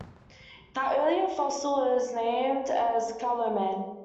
That earlier fossil was named as Callao Man.